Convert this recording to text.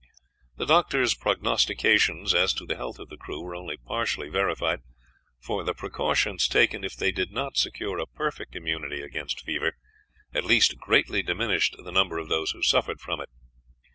The doctor's prognostications as to the health of the crew were only partially verified, for the precautions taken, if they did not secure a perfect immunity against fever, at least greatly diminished the number of those who suffered from it.